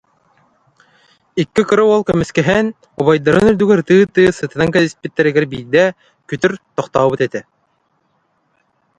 Икки кыра уол көмүскэһэн, убайдарын үрдүгэр ытыы-ытыы сытынан кэбиспиттэригэр биирдэ, күтүр, тохтообут этэ